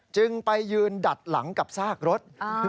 จึงไปยืนดัดหลังกับซากรถ